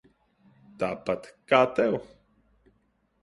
Tāpat kā tev.